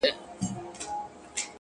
مهرباني د زړونو واټن راکموي؛